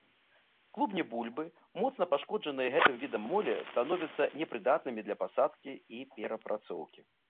Клубні бульбы, моцна пашкоджаныя гэтым відам молі, становяцца непрыдатнымі для пасадкі і перапрацоўкі.